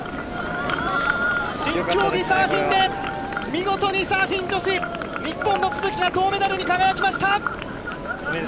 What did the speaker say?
新競技サーフィンで、見事にサーフィン女子、日本の都筑が銅メダルに輝きました。